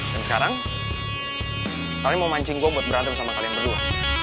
dan sekarang kalian mau mancing gue buat berantem sama kalian berdua